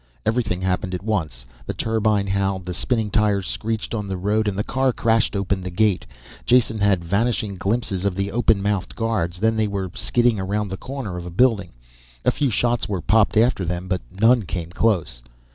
Everything happened at once. The turbine howled, the spinning tires screeched on the road and the car crashed open the gate. Jason had a vanishing glimpse of the open mouthed guards, then they were skidding around the corner of a building. A few shots popped after them, but none came close.